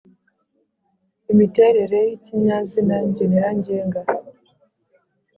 imiterere y’ikinyazina ngenera ngenga